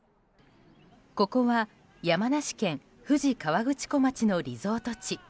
ここは、山梨県富士河口湖町のリゾート地。